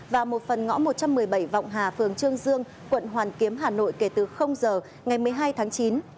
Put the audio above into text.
và một phần ngõ một trăm một mươi bảy vọng hà phường trương dương quận hoàn kiếm hà nội kể từ giờ ngày một mươi hai tháng chín